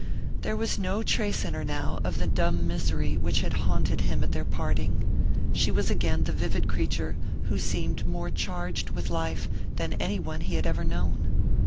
There was no trace in her now of the dumb misery which had haunted him at their parting; she was again the vivid creature who seemed more charged with life than any one he had ever known.